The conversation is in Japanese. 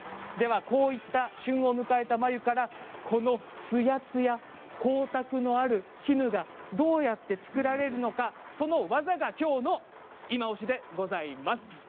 こういった旬を迎えた繭からこのつやつや、光沢のある絹がどうやって作られるのかその技がきょうのいまオシでございます。